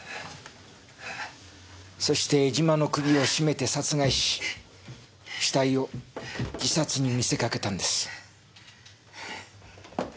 そして江島の首を絞めて殺害し死体を自殺に見せかけたんです。